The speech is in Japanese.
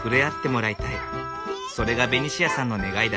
それがベニシアさんの願いだ。